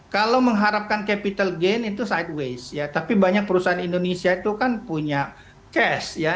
kalau mengharapkan capital gain itu sideways ya tapi banyak perusahaan indonesia itu kan punya cash ya